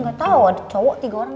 gatau ada cowok tiga orang